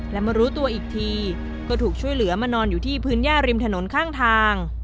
และมารู้ตัวอีกทีก็ถูกช่วยเหลือมานอนอยู่ที่พื้นย่าริมถนนข้างทาง